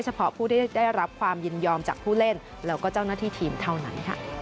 เฉพาะผู้ที่ได้รับความยินยอมจากผู้เล่นแล้วก็เจ้าหน้าที่ทีมเท่านั้น